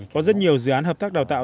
có rất nhiều dự án hợp tác đào tạo